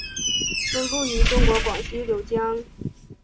分布于中国广西柳江。